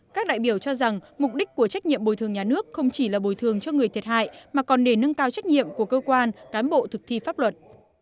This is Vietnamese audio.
các đại biểu cho rằng mục đích của trách nhiệm bồi thường nhà nước không chỉ là bồi thường cho người thiệt hại mà còn để nâng cao trách nhiệm của cơ quan cán bộ thực thi pháp luật